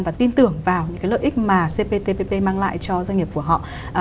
và tin tưởng vào những cái lợi ích mà cptpp mang lại cho doanh nghiệp của họ